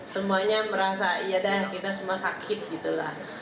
semuanya merasa ya dah kita semua sakit gitu lah